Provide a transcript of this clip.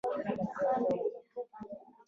د نظام لویه برخه زبېښونکې پاتې شوه.